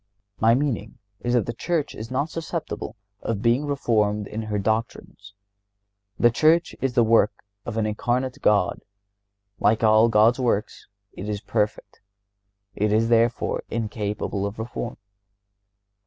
My meaning is that the Church is not susceptible of being reformed in her doctrines. The Church is the work of an Incarnate God. Like all God's works, it is perfect. It is, therefore, incapable of reform.